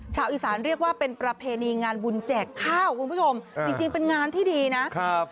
ชาวอีสานเรียกว่าเป็นประเพณีงานบุญแจกข้าวคุณผู้ชมจริงเป็นงานที่ดีนะครับ